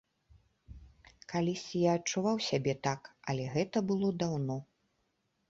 Калісьці я адчуваў сябе так, але гэта было даўно.